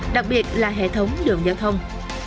đặc biệt là hệ thống đường giao thông